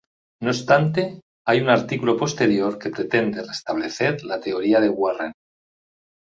No obstante hay un artículo posterior que pretende restablecer la teoría de Warren.